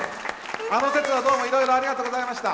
あの節はどうもいろいろありがとうございました。